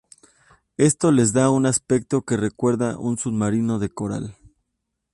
Esto les da un aspecto que recuerda un submarino de coral.